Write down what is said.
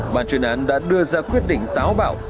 bà chuyên án đã đưa ra quyết định táo bảo